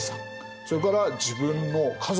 それから自分の家族